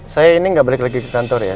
saya ini nggak balik lagi ke kantor ya